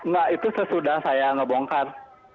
nah itu sesudah saya ngebongkar